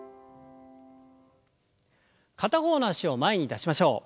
片方の脚を前に出しましょう。